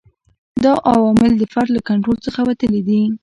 دا عوامل د فرد له کنټرول څخه وتلي دي.